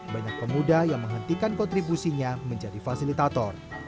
banyak pemuda yang menghentikan kontribusinya menjadi fasilitator